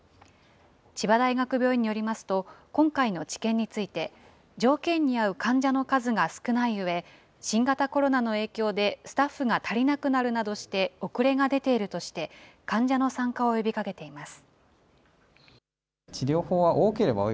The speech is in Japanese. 千葉大学病院によりますと、今回の治験について、条件に合う患者の数が少ないうえ、新型コロナの影響でスタッフが足りなくなるなどして遅れが出ているとして、患者の参加を呼びかけています。